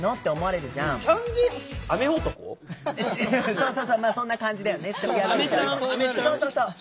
そうそうまあそんな感じだよね。